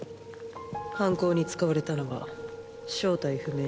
犯行に使われたのは正体不明の毒。